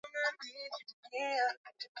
na waziri wa kilimo salley kosgey